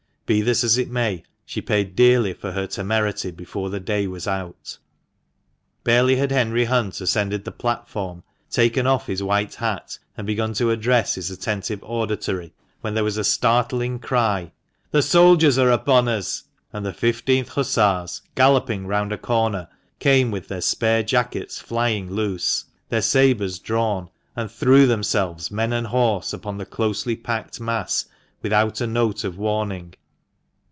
Be this as it may, she paid dearly for her temerity before the day was out. Barely had Henry Hunt ascended the platform, taken off his white hat, and begun to address his attentive auditory, when there was a startling cry, " The soldiers are upon us !" and the I5th Hussars, galloping round a corner, came with their spare jackets flying loose, their sabres drawn, and threw themselves, men and horse, upon the closely packed mass, without a note of warning.